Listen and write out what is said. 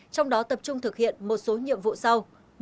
trong đó tập trung thực hiện một số nhiệm vụ sau